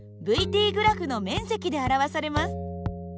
ｔグラフの面積で表されます。